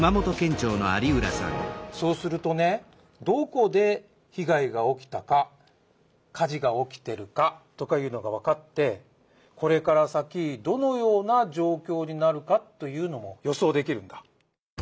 そうするとねどこで被害が起きたか火事が起きてるかとかいうのがわかってこれから先どのような状況になるかというのも予想できるんだ。